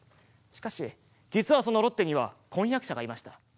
しかし実は、そのロッテには婚約者がいました。